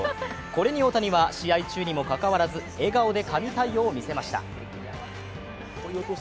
これに大谷は試合中にもかかわらず笑顔で神対応を見せました。